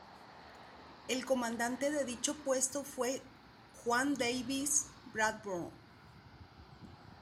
El comandante de dicho puesto fue Juan Davis Bradburn.